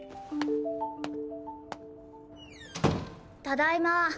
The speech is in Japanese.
ただいま。